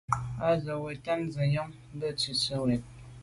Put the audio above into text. Á wʉ́ Wàtɛ̀ɛ́t nɔ́ɔ̀ nswɛ́ɛ̀n nyɔ̌ŋ bā ngə́tú’ cwɛ̀t.